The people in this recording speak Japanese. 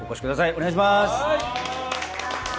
お願いします！